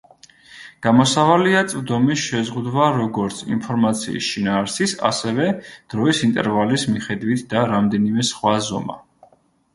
გამოსავალია წვდომის შეზღუდვა როგორც ინფორმაციის შინაარსის, ასევე დროის ინტერვალის მიხედვით და რამდენიმე სხვა ზომა.